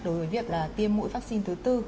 đối với việc là tiêm mũi vaccine thứ tư